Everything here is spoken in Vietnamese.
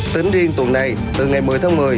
tính riêng tuần này từ ngày một mươi tháng một mươi